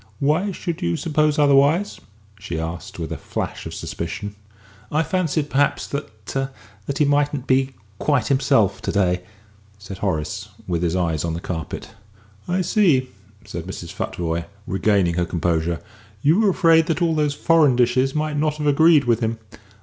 Why should you suppose otherwise?" she asked, with a flash of suspicion. "I fancied perhaps that that he mightn't be quite himself to day," said Horace, with his eyes on the carpet. "I see," said Mrs. Futvoye, regaining her composure; "you were afraid that all those foreign dishes might not have agreed with him.